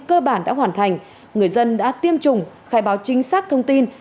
cơ bản đã hoàn thành người dân đã tiêm chủng khai báo chính xác thông tin